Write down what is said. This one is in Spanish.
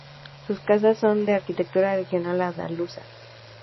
Sus casas son de arquitectura regional andaluza.